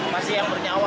masih yang bernyawa